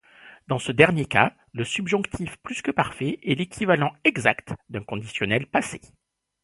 Dans ce dernier cas, le subjonctif plus-que-parfait est l'équivalent exact d'un conditionnel passé.